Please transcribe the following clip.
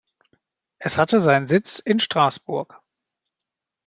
Es hatte seinen Sitz in Straßburg.